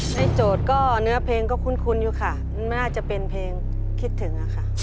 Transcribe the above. โจทย์ก็เนื้อเพลงก็คุ้นอยู่ค่ะมันน่าจะเป็นเพลงคิดถึงอะค่ะ